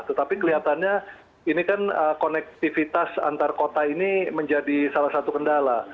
tetapi kelihatannya ini kan konektivitas antar kota ini menjadi salah satu kendala